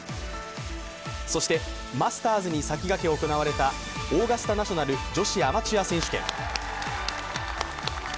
そしてマスターズに先駆け行われたオーガスタナショナル女子アマチュア選手権。